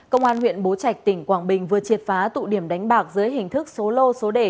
công an huyện bố trạch tỉnh quảng bình vừa triệt phá tụ điểm đánh bạc dưới hình thức số lô số đề